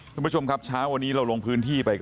ทุกผู้ชมช้าววันนี้เราลงพื้นที่ไป